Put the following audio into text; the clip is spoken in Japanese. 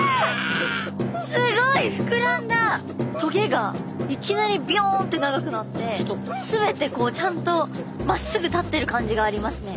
棘がいきなりビョンって長くなって全てこうちゃんとまっすぐ立ってる感じがありますね。